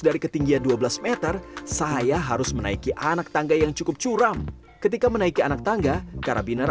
dari ketinggian dua belas m saya harus menaiki anak tangga yang cukup curam ketika menaiki anak tangga karabiner